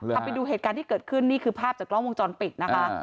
เอาไปดูเหตุการณ์ที่เกิดขึ้นนี่คือภาพจากกล้องวงจรปิดนะคะ